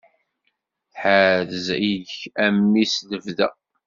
Ḥerz-ik a mmi s lebda.